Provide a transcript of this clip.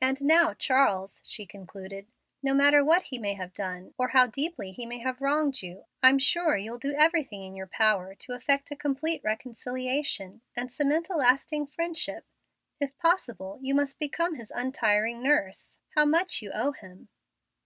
"And now, Charles," she concluded, "no matter what he may have done, or how deeply he may have wronged you, I'm sure you'll do everything in your power to effect a complete reconciliation, and cement a lasting friendship. If possible, you must become his untiring nurse. How much you owe him!"